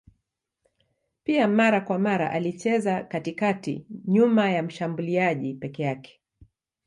Pia mara kwa mara alicheza katikati nyuma ya mshambuliaji peke yake.